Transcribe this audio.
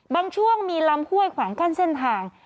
ช่วงมีลำห้วยขวางกั้นเส้นทาง